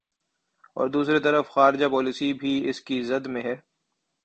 ا ور دوسری طرف خارجہ پالیسی بھی اس کی زد میں ہے۔